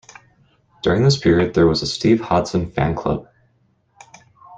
During this period there was a Steve Hodson fan club.